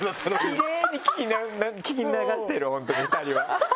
きれいに聞き流してる本当に２人は。